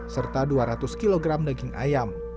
serta dua ratus kg daging ayam